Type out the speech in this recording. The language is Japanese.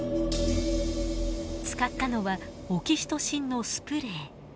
使ったのはオキシトシンのスプレー。